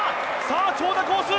さあ長打コース